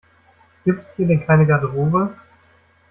Gibt es hier denn keine Garderobe?